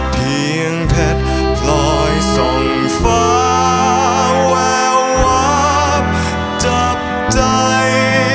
เพียงเพชรพลอยส่งฟ้าแวววาบจับใจ